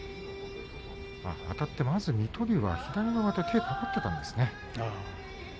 あたってまず水戸龍は、左の上手手が掛かっていたんですね。